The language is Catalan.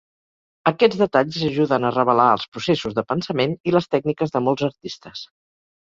Aquests detalls ajuden a revelar els processos de pensament i les tècniques de molts artistes.